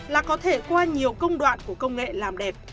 là có thể qua nhiều công đoạn của công nghệ làm đẹp